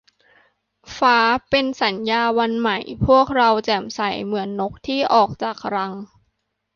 ฟ้า เป็นสัญญาวันใหม่ พวกเราแจ่มใส เหมือนนกที่ออกจากรัง